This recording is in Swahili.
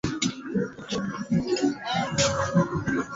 majeshi ya nato kuchukuwa ukinara mashambulizi kuilenga nchi ya libya